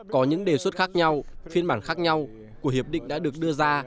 có những đề xuất khác nhau phiên bản khác nhau của hiệp định đã được đưa ra